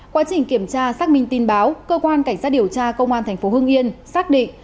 quá trình kiểm tra xác minh tin báo cơ quan cảnh sát điều tra công an thành phố hương yên xác định